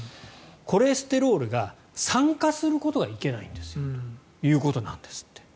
コレステロールが酸化することがいけないんですよということなんですって。